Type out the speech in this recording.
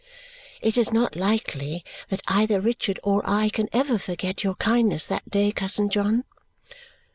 "It is not likely that either Richard or I can ever forget your kindness that day, cousin John."